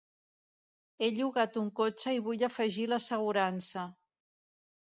He llogat un cotxe i vull afegir l'assegurança.